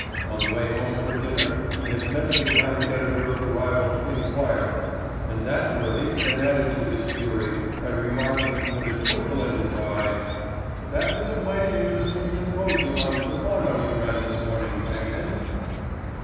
On the way home for dinner he had met the dramatic editor of the rival Inquirer and that worthy had added to his fury by remarking, with a twinkle in his eye: "That was a mighty interesting symposium on Stephano you ran this morning, Jenkins."